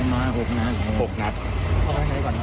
ลงมา๖นัดครับพ่อกับแม่ก่อนครับ๖นัด